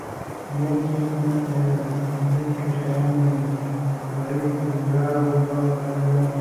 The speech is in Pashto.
جنس نوم نه شمېرل کېدونکي شيان دي: غوړي، بوره، اوبه او داسې نور.